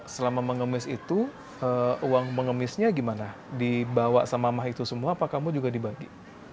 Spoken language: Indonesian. selama mengemis itu uang mengemisnya gimana dibawa sama mah itu semua apa kamu juga dibagi